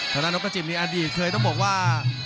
สำหรับนกระจิบนี่อดีตเคยต้องบอกว่า